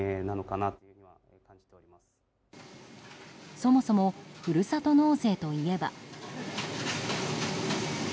そもそもふるさと納税といえば。